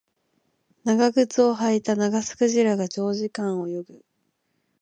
長靴を履いたナガスクジラが長時間泳ぐ